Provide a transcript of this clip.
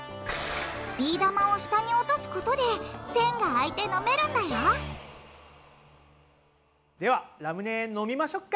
ビー玉を下に落とすことでせんが開いて飲めるんだよではラムネ飲みましょうか！